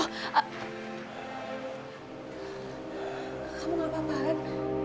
kamu gak apa apa kan